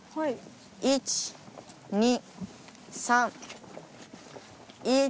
１２３。